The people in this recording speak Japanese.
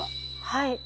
はい。